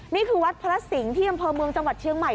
นี่คือวัดพระสิงห์ที่อำเภอเมืองจังหวัดเชียงใหม่